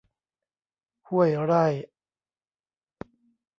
ห้วยไร่